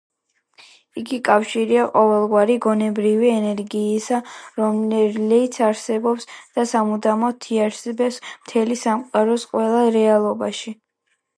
იგი კავშირია ყოველგვარი გონებრივი ენერგიისა, რომელიც არსებობს და სამუდამოდ იარსებებს მთელი სამყაროს ყველა რეალობაში.